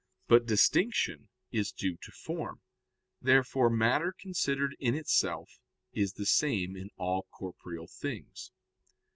But distinction is due to form. Therefore matter considered in itself is the same in all corporeal things.